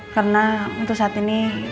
karena untuk saat ini